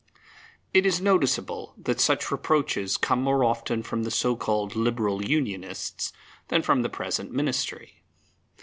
It is noticeable that such reproaches come more often from the so called Liberal Unionists than from the present Ministry.